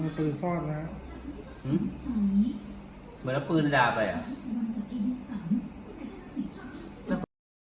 เหมือนมันหยิบมือพื้นดาวไปเหรอ